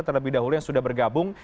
terlebih dahulu yang sudah bergabung